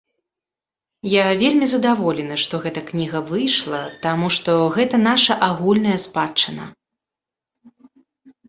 Я вельмі задаволены, што гэта кніга выйшла, таму што гэта наша агульная спадчына.